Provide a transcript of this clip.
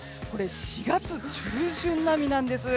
４月中旬並みなんです。